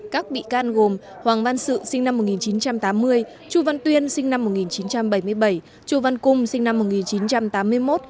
các bị can gồm hoàng văn sự sinh năm một nghìn chín trăm tám mươi chu văn tuyên sinh năm một nghìn chín trăm bảy mươi bảy chu văn cung sinh năm một nghìn chín trăm tám mươi một